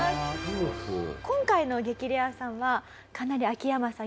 今回の激レアさんはかなり秋山さん